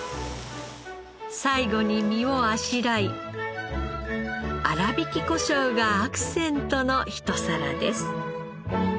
最後に身をあしらいあらびきコショウがアクセントの一皿です。